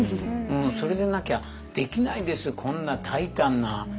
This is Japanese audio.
それでなきゃできないですこんな大胆な。